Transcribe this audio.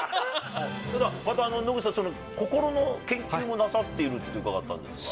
野口さん、心の研究もなさっていると伺ったんですが。